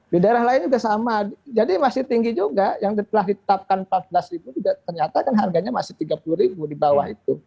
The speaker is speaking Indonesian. di daerah lain juga sama jadi masih tinggi juga yang telah ditetapkan rp empat belas juga ternyata kan harganya masih rp tiga puluh di bawah itu